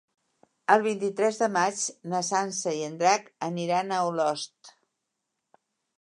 El vint-i-tres de maig na Sança i en Drac aniran a Olost.